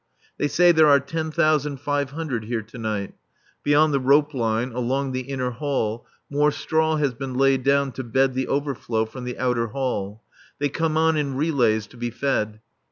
They say there are ten thousand five hundred here to night. Beyond the rope line, along the inner hall, more straw has been laid down to bed the overflow from the outer hall. They come on in relays to be fed.